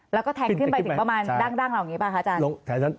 แล้วก็แทงขึ้นไปถึงประมาณด้านเร่าอย่างนี้ไหมคะอาจารย์